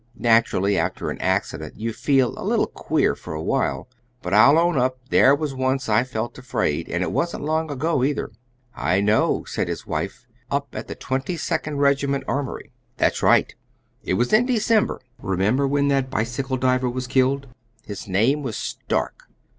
Naturally, after an accident you feel a little queer for a while; but I'll own up there was once I felt afraid, and it wasn't long ago, either." "I know," said his wife; "up at the Twenty second Regiment Armory." "That's right; it was in December. Remember when that bicycle diver was killed? His name was Stark?